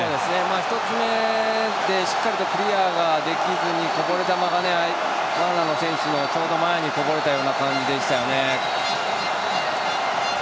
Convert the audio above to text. １つ目でしっかりとクリアができずにこぼれ球がガーナの選手のちょうど前にこぼれたような感じでしたよね。